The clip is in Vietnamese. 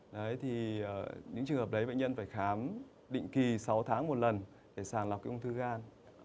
đấy thì những trường hợp đấy bệnh nhân phải khám định kỳ sáu tháng một lần để sàng lọc cái ung thư gan